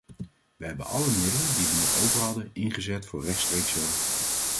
Wij hebben alle middelen die wij nog over hadden, ingezet voor rechtstreekse hulp.